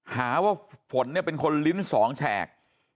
หาว่าฝนเนี่ยเป็นคนลิ้น๒แฉก